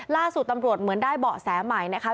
ล่าสุดตำรวจเหมือนได้เบาะแสใหม่นะคะ